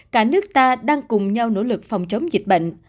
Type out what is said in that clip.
cả nước ta đang cùng nhau nỗ lực phòng chống dịch bệnh